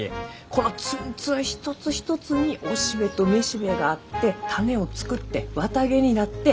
このツンツン一つ一つに雄しべと雌しべがあって種を作って綿毛になって。